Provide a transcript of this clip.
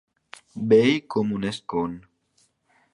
Vell com un escon.